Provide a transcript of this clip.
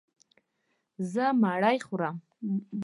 زه مړۍ خورم.